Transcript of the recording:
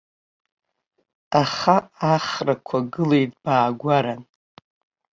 Аха ахрақәа гылеит баагәаран.